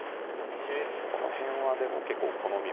この辺はでも結構好みも。